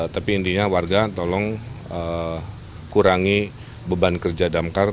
tapi intinya warga tolong kurangi beban kerja damkar